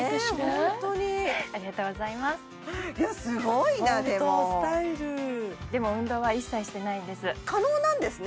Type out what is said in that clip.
本当にありがとうございますいやすごいなでもホントスタイルでも運動は一切してないんです可能なんですね